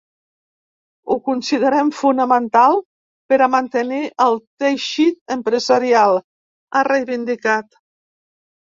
Ho considerem fonamental per a mantenir el teixit empresarial, ha reivindicat.